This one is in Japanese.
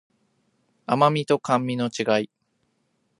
甘味と甘味の違い